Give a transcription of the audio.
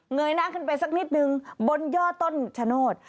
ยหน้าขึ้นไปสักนิดนึงบนยอดต้นชะโนธ